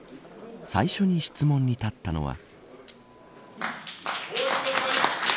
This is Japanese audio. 最初に質問に立ったのは。